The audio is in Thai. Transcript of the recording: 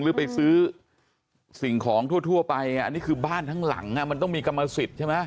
หรือไปซื้อสิ่งของทั่วไปอันนี้คือบ้านทั้งหลังมันต้องมีกรรมสิทธิ์ใช่ไหม